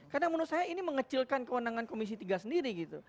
karena menurut saya ini mengecilkan kewenangan komisi tiga sendiri gitu